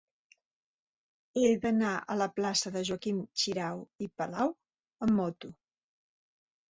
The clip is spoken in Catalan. He d'anar a la plaça de Joaquim Xirau i Palau amb moto.